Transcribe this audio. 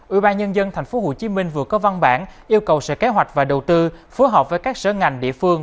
ủy ban nhân dân tp hcm vừa có văn bản yêu cầu sở kế hoạch và đầu tư phù hợp với các sở ngành địa phương